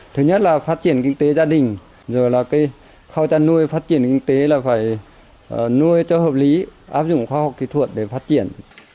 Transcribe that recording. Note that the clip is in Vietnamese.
thứ nhất là phát triển kinh tế gia đình rồi là cái kho chăn nuôi phát triển kinh tế là phải nuôi cho hợp lý áp dụng khoa học kỹ thuật để phát triển